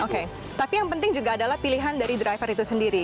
oke tapi yang penting juga adalah pilihan dari driver itu sendiri